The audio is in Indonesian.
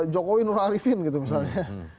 jokowi nur arifin gitu misalnya